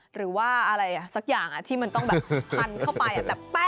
หรือว่าอะไรสักอย่างที่มันต้องแบบพันเข้าไป